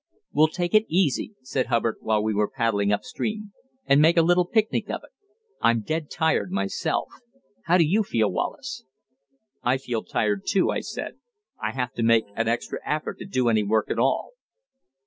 "We'll take it easy," said Hubbard while we were paddling upstream, "and make a little picnic of it. I'm dead tired myself. How do you feel, Wallace?" "I feel tired, too," I said. "I have to make an extra effort to do any work at all."